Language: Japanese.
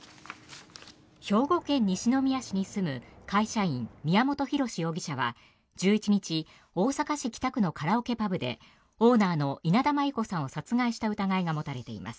兵庫県西宮市に住む会社員宮本浩志容疑者は、１１日大阪市北区のカラオケパブでオーナーの稲田真優子さんを殺害した疑いが持たれています。